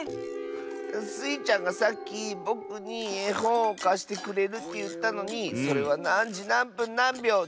スイちゃんがさっきぼくにえほんをかしてくれるっていったのに「それはなんじなんぷんなんびょう？